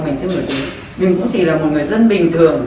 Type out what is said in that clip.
mình cũng chỉ là một người dân bình thường